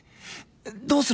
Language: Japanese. どうする？